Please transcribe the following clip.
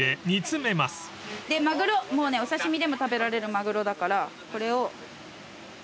マグロお刺し身でも食べられるマグロだからこれを。